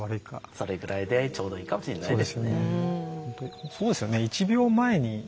それぐらいでちょうどいいかもしれないですね。